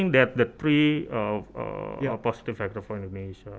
jadi itu saya pikir tiga faktor positif untuk indonesia